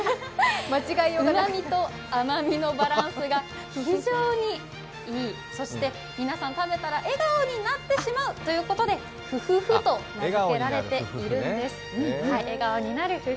うまみと甘みのバランスが非常にいい、そして食べたら皆さん笑顔になってしまうということで「富富富」と名付けられているんです。